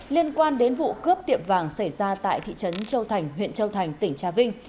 liên quan đến vụ cướp tiệm vàng xảy ra tại thị trấn châu thành huyện châu thành tỉnh trà vinh